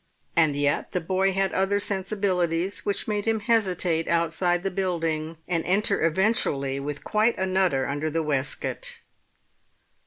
And yet the boy had other sensibilities which made him hesitate outside the building, and enter eventually with quite a nutter under the waistcoat.